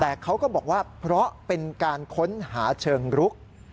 แต่เขาก็บอกว่าเพราะเป็นการค้นหาเชิงรุก